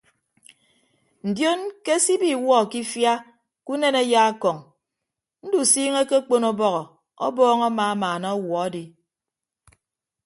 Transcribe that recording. Ndion ke se ibi iwuọ ke ifia ke unen ayaakọñ ndusiiñe akekpon ọbọhọ ọbọọñ amamaana ọwuọ adi.